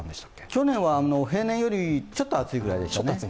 去年は平年よりちょっと暑いくらいでしたね。